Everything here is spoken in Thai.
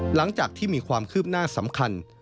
หลังจากที่มีความคืบหน้าสำคัญ